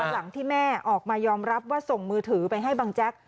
หลังที่แม่ออกมายอมรับว่าส่งมือถือไปให้บังแจ๊ก